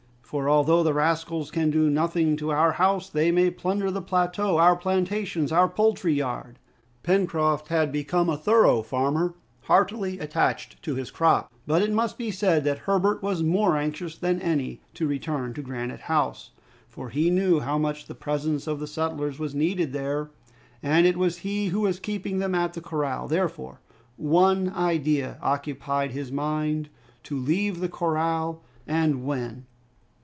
For, although the rascals can do nothing to our house, they may plunder the plateau, our plantations, our poultry yard!" Pencroft had become a thorough farmer, heartily attached to his crops. But it must be said that Herbert was more anxious than any to return to Granite House, for he knew how much the presence of the settlers was needed there. And it was he who was keeping them at the corral! Therefore, one idea occupied his mind to leave the corral, and when!